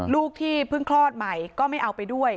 ลูกที่เพิ่งคลอดใหม่ก็ไม่เอาไปด้วย